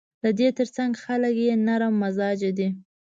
د دې ترڅنګ خلک یې نرم مزاجه دي.